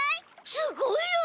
すごいよ！